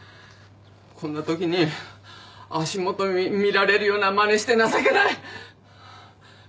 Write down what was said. こんなときに足元見られるようなまねして情けない。